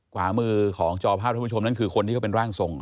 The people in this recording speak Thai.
ขวามือของจอภาพท่านผู้ชมนั่นคือคนที่เขาเป็นร่างทรง